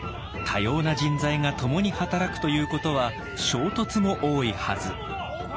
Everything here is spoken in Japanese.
多様な人材が共に働くということは衝突も多いはず。